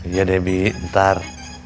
iya debbie ntar